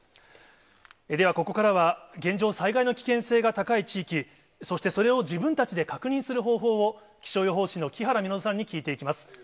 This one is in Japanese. ではここからは、現状、災害の危険性が高い地域、そしてそれを自分たちで確認する方法を、気象予報士の木原実さんに聞いていきます。